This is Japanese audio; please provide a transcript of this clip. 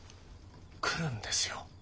来るんですよ。